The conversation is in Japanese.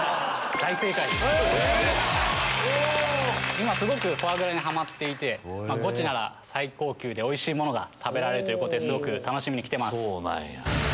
今すごくフォアグラにハマっていてゴチなら最高級でおいしいもの食べられるということですごく楽しみに来てます。